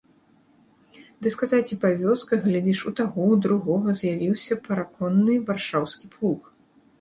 Ды, сказаць, і па вёсках, глядзіш, у таго, у другога з'явіўся параконны варшаўскі плуг.